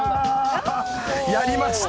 やりました。